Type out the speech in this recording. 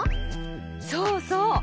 そうそう！